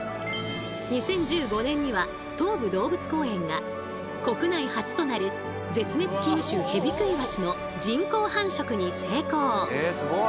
２０１５年には東武動物公園が国内初となる絶滅危惧種ヘビクイワシの人工繁殖に成功。